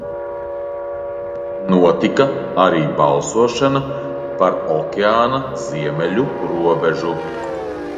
Notika arī balsošana par okeāna ziemeļu robežu.